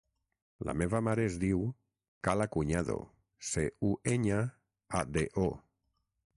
La meva mare es diu Kala Cuñado: ce, u, enya, a, de, o.